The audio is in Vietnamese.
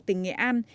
tỉnh nghệ an